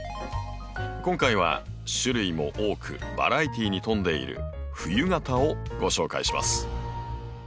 今回は種類も多くバラエティーに富んでいる冬型をご紹介します。